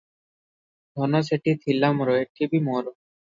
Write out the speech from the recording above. ଧନ ସେଠି ଥିଲା ମୋର - ଏଠି ବି ମୋର ।